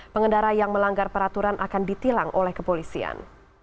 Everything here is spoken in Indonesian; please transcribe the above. pengendara yang melanggar peraturan akan ditilang oleh kepolisian